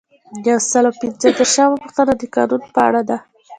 یو سل او پنځه دیرشمه پوښتنه د قانون په اړه ده.